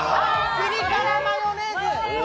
ピリ辛マヨネーズ！